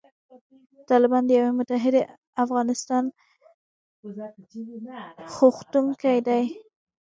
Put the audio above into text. طالبان د یوې متحدې افغانستان غوښتونکي دي.